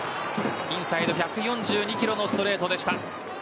インサイド１４２キロのストレートでした。